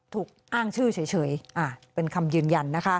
ถูกอ้างชื่อเฉยเป็นคำยืนยันนะคะ